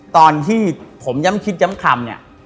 ตอนที่ผมย่ำคิดย่ำคำ